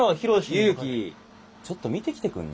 祐樹ちょっと見てきてくんね？